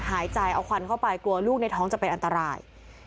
หายใจเอาควันเข้าไปกลัวลูกในท้องจะเป็นอันตราย